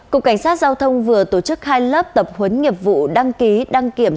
cục cảnh sát giao thông vừa tổ chức hai lớp tập huấn nghiệp vụ đăng ký đăng kiểm